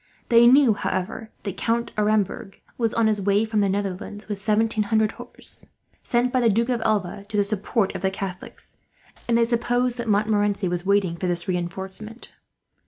They knew, however, that Count Aremberg was on his way from the Netherlands, with seventeen hundred horse, sent by the Duke of Alva to the support of the Catholics; and they supposed that Montmorency was waiting for this reinforcement.